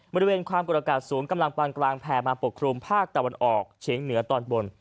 บริเวณความกดอากาศสูงกำลังปานกลางแผ่มาปกครุมภาคตะวันออกเฉียงเหนือตอนบน